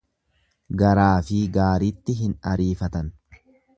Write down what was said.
Garaafi gaariitti hin ariifatan.